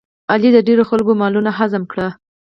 علي د ډېرو خلکو مالونه هضم کړل.